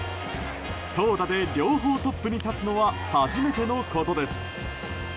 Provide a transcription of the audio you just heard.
投打で両方トップに立つのは初めてのことです。